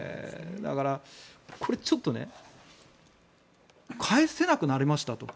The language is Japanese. だから、これちょっと返せなくなりましたと。